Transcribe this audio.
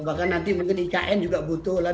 bahkan nanti mungkin ikn juga butuh